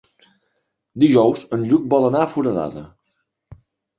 Dijous en Lluc vol anar a Foradada.